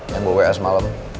yang gue wa semalem